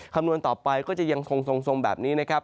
คำนวณต่อไปก็จะยังสงสงแบบนี้